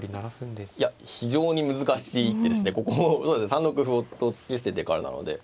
３六歩と突き捨ててからなので。